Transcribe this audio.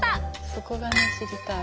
そこがね知りたい。